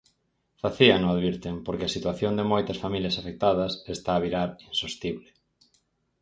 Facíano, advirten, porque a situación de moitas familias afectadas está a virar "insostible".